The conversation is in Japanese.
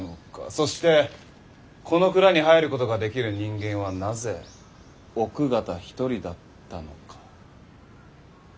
そしてこの蔵に入ることができる人間はなぜ奥方一人だったのか？